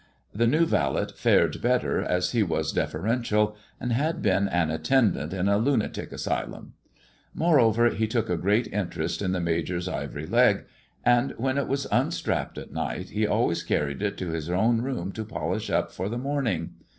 The new valet fared better, as he was deferential, and had been an attendant in a lunatic asylum. Moreover, he took a great interest in the THE IVOUY LEG AND THE DIAMONDS 341 . Major's ivory leg, and, when it was unstrapped at niglit, he always carried it to liia own room to poHsli vp for tlie morning.